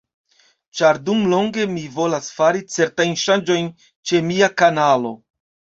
Ĉar dum longe mi volas fari certajn ŝanĝojn ĉe mia kanalo